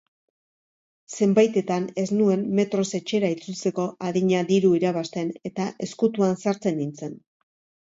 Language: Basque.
Zenbaitetan ez nuen metroz etxera itzultzeko adina diru irabazten eta ezkutuan sartzen nintzen.